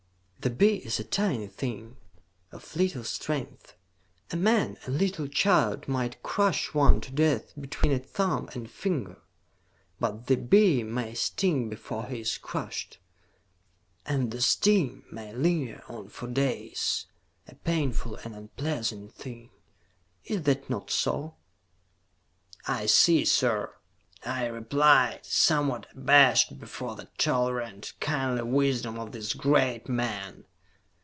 "The bee is a tiny thing, of little strength. A man, a little child, might crush one to death between a thumb and finger. But the bee may sting before he is crushed, and the sting may linger on for days, a painful and unpleasant thing. Is that not so?" "I see, sir," I replied, somewhat abashed before the tolerant, kindly wisdom of this great man.